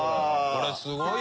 それすごい！